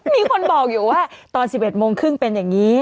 มีคนบอกอยู่ว่าตอน๑๑โมงครึ่งเป็นอย่างนี้